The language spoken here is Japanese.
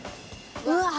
うわっ！